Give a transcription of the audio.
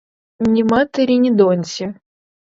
Ні матері, ні доньці.